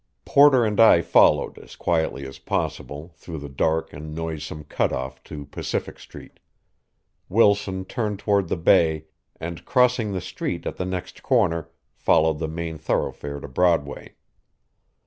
Porter and I followed, as quietly as possible, through the dark and noisome cut off to Pacific Street. Wilson turned toward the bay, and crossing the street at the next corner followed the main thoroughfare to Broadway.